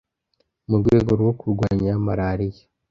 Mu rwego rwo kurwanya Malariya